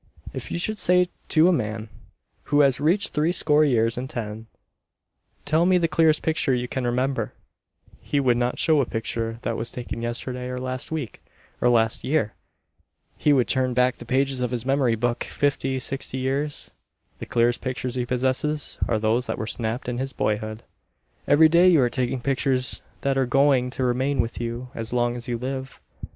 If you should say to a man who has reached three score years and ten, "Tell me the clearest picture you can remember," he would not show a picture that was taken yesterday, or last week, or last year. He would turn back the pages of his memory book fifty, sixty years. The clearest pictures he possesses are those that were snapped in his boyhood. Every day you are taking pictures that are going to remain with you as long as you live.